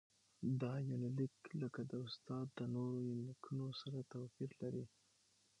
دا يونليک لکه د استاد د نورو يونليکونو سره تواپېر لري.